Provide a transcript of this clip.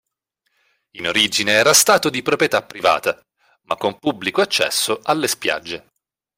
In origine era stato di proprietà privata, ma con pubblico accesso alle spiagge.